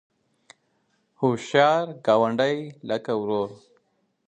هوښیار ګاونډی لکه ورور